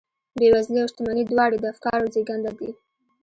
بېوزلي او شتمني دواړې د افکارو زېږنده دي.